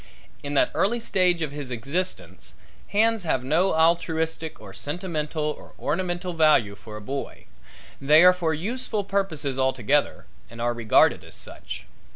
In that early stage of his existence hands have no altruistic or sentimental or ornamental value for a boy they are for useful purposes altogether and are regarded as such.